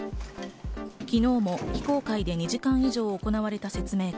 昨日も非公開で２時間以上行われた説明会。